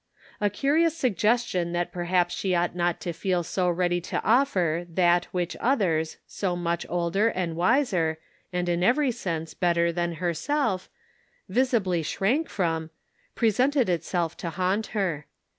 A curious suggestion that perhaps she ought not to feel so ready to offer, Perfect Love Casteth out Fear. 193 that which others, so much older and wiser, and in every sense better than herself, visibly shrank from, presented itself to haunt her.